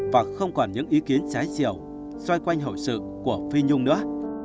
và không còn những ý kiến trái chiều xoay quanh hậu sự của phi nhung nữa